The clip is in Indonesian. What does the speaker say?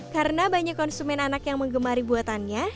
karena banyak konsumen anak yang menggemari buatannya